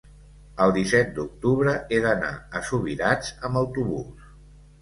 el disset d'octubre he d'anar a Subirats amb autobús.